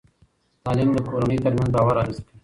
تعلیم د کورنۍ ترمنځ باور رامنځته کوي.